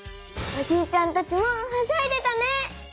おじいちゃんたちもはしゃいでたね！